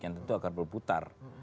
yang tentu akan berputar